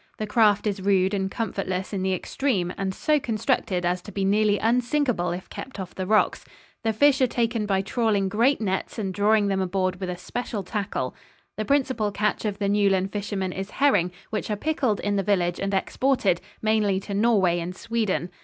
The craft is rude and comfortless in the extreme and so constructed as to be nearly unsinkable if kept off the rocks. The fish are taken by trawling great nets and drawing them aboard with a special tackle. The principal catch of the Newlyn fishermen is herring, which are pickled in the village and exported, mainly to Norway and Sweden.